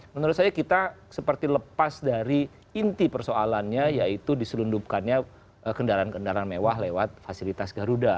menurut saya kita seperti lepas dari inti persoalannya yaitu diselundupkannya kendaraan kendaraan mewah lewat fasilitas garuda